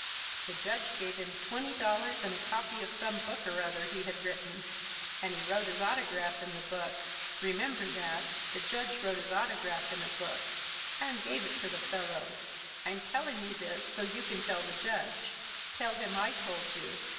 "The Judge gave him twenty dollars and a copy of some book or other he had written, and he wrote his autograph in the book. Remember that. The Judge wrote his autograph in a book and gave it to the fellow. I'm telling you this so you can tell the Judge. Tell him I told you.